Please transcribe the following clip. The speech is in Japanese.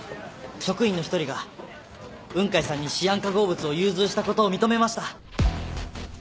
職員の一人が雲海さんにシアン化合物を融通したことを認めました。